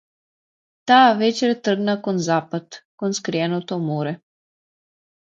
Таа вечер тргна кон запад, кон скриеното море.